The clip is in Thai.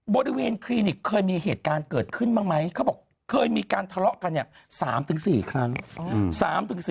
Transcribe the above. คลินิกเคยมีเหตุการณ์เกิดขึ้นบ้างไหมเขาบอกเคยมีการทะเลาะกันเนี่ย๓๔ครั้ง